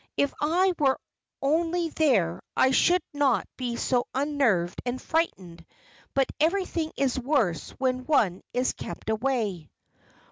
If I were only there I should not be so unnerved and frightened, but everything is worse when one is kept away."